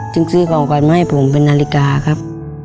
จึงซื้อของขวัญมาให้ผมเป็นนาฬิกาครับ